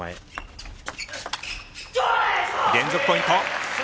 連続ポイント。